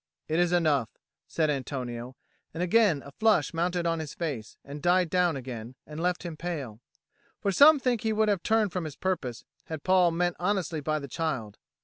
"It is enough," said Antonio; and again a flush mounted on his face, and died down again, and left him pale. For some think he would have turned from his purpose, had Paul meant honestly by the child.